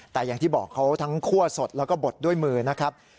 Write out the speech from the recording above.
แต่อย่างที่บอกเขาทั้งคั่วสดแล้วก็บดด้วยมือนะครับ